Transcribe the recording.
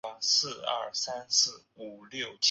黄土水毕业自师范科